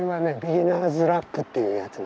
ビギナーズラックっていうやつ。